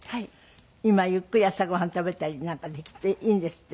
今ゆっくり朝ご飯食べたりなんかできていいんですって？